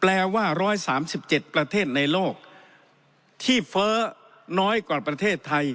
แปลว่าร้อยสามสิบเจ็ดประเทศในโลกที่เฟ้อน้อยกว่าประเทศไทย